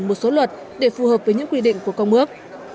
một số luật để phù hợp với những quy định của công ước